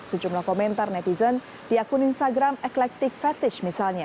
sejumlah komentar netizen di akun instagram eqlectic fetish misalnya